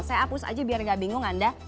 saya hapus aja biar gak bingung anda